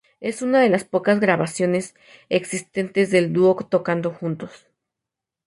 Es una de las pocas grabaciones existentes del dúo tocando juntos.